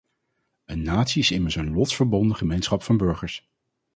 Een natie is immers een lotsverbonden gemeenschap van burgers.